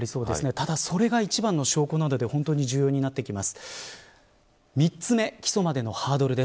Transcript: ただ、それが一番の証拠なので非常に重要になってきます。